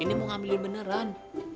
ini mau ngambilin beneran